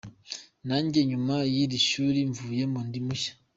Nanjye nyuma y’iri shuri mvuyemo, ndi mushya.